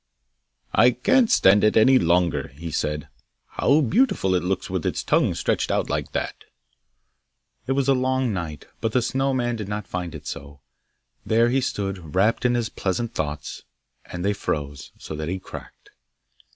'I can't stand it any longer!' he said. 'How beautiful it looks with its tongue stretched out like that!' It was a long night, but the Snow man did not find it so; there he stood, wrapt in his pleasant thoughts, and they froze, so that he cracked.